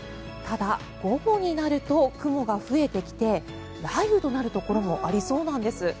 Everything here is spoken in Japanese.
ただ、午後になると雲が増えてきて雷雨となるところもありそうなんです。